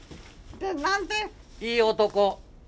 いい男！